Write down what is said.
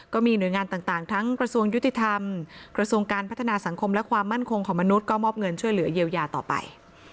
ก็มีหน่วยงานต่างทั้งกระทรวงยุติธรรมกระทรวงการพัฒนาสังคมและความมั่นคงของมนุษย์ก็มอบเงินช่วยเหลือเยียวยาต่อไป